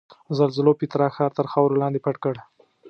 زلزلو پیترا ښار تر خاورو لاندې پټ کړ.